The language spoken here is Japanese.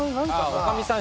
おかみさん